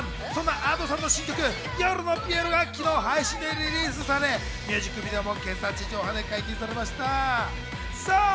Ａｄｏさんの新曲『夜のピエロ』が昨日、配信でリリースされミュージックビデオも今朝、地上波で解禁されました。